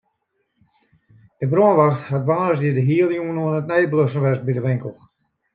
De brânwacht hat woansdei de hiele jûn oan it neidwêsten west by de winkel.